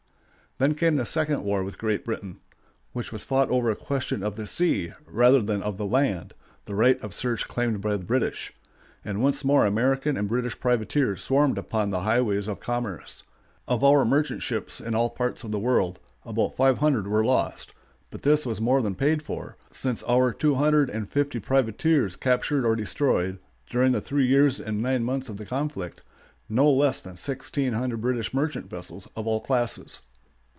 Then came the second war with Great Britain, which was fought over a question of the sea rather than of the land,—the right of search claimed by the British,—and once more American and British privateers swarmed upon the highways of commerce. Of our merchant ships in all parts of the world, about five hundred were lost; but this was more than paid for, since our two hundred and fifty privateers captured or destroyed, during the three years and nine months of the conflict, no less than sixteen hundred British merchant vessels of all classes.